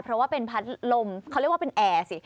เพราะว่าเป็นพัดลมเขาเรียกว่าเป็นแอร์สิ